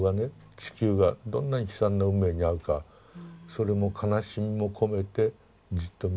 地球がどんなに悲惨な運命に遭うかそれも悲しみも込めてじっと見ている。